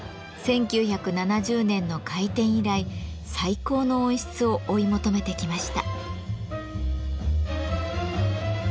１９７０年の開店以来最高の音質を追い求めてきました。